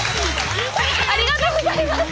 ありがとうございます！